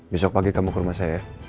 besok pagi kamu ke rumah saya